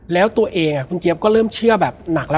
แล้วตัวเองคุณเจี๊ยบก็เริ่มเชื่อแบบหนักแล้ว